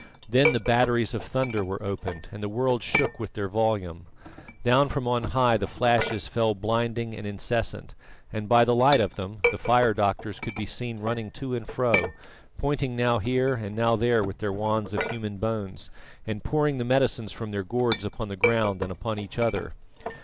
Then the batteries of thunder were opened, and the world shook with their volume. Down from on high the flashes fell blinding and incessant, and by the light of them the fire doctors could be seen running to and fro, pointing now here and now there with their wands of human bones, and pouring the medicines from their gourds upon the ground and upon each other.